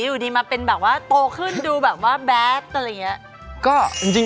ถึงมาเป็นแบบว่าโตขึ้นดูแบบแบสต์อะไรอย่างเงี้ย